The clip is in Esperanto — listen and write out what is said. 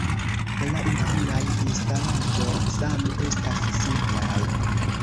La internaj instalaĵoj same estas simplaj.